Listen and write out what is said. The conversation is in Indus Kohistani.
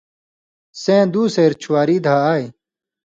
سیں دُو سېر چھواری دھا آئ